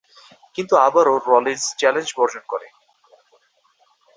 কিন্তু আবারো Rollins challenge বর্জন করে।